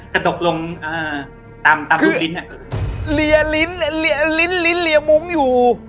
กระดกลงอ่าตามตามรูปลิ้นอะคือเหลี่ยลิ้นเหลี่ยลิ้นลิ้นเหลี่ยมุ้งอยู่